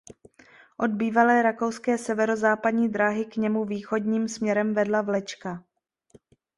Od bývalé Rakouské severozápadní dráhy k němu východním směrem vedla vlečka.